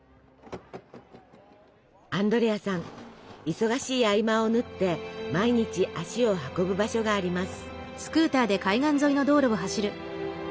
忙しい合間を縫って毎日足を運ぶ場所があります。